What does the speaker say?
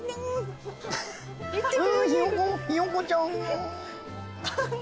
ひよこちゃん。